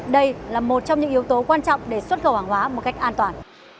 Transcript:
đây là một trong những yếu tố quan trọng để xuất khẩu hàng hóa một cách an toàn